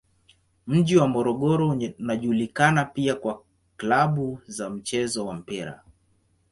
Mji wa Morogoro unajulikana pia kwa klabu za mchezo wa mpira.